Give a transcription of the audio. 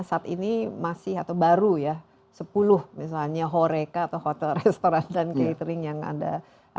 saat ini masih atau baru ya sepuluh misalnya horeca atau hotel restoran dan catering yang anda